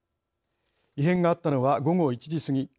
異変があったのは午後１時過ぎ。